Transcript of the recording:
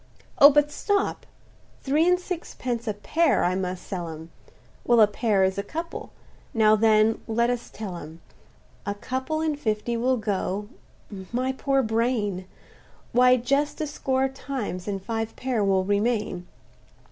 "Oh! but stop—three and sixpence a pair I must sell 'em; Well, a pair is a couple—now then let us tell 'em; A couple in fifty will go—(my poor brain!) Why just a score times, and five pair will remain.